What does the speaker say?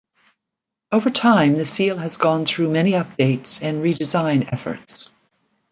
Over time the seal has gone through many updates and re-design efforts.